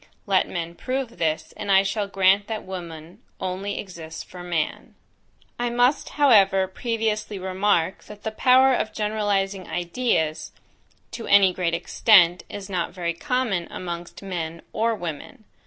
Let men prove this, and I shall grant that woman only exists for man. I must, however, previously remark, that the power of generalizing ideas, to any great extent, is not very common amongst men or women.